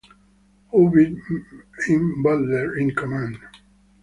Ovid M. Butler in command.